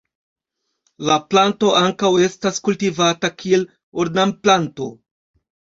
La planto ankaŭ estas kultivata kiel ornamplanto.